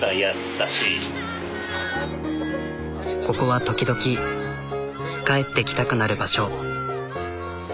ここは時々帰ってきたくなる場所。